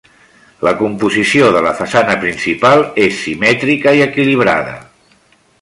La composició de la façana principal és simètrica i equilibrada.